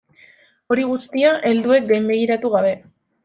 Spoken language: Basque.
Hori guztia helduek gainbegiratu gabe.